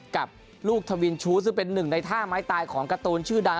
กับลูกทวินชูซึ่งเป็นหนึ่งในท่าไม้ตายของการ์ตูนชื่อดัง